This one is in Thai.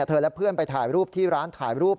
และเพื่อนไปถ่ายรูปที่ร้านถ่ายรูป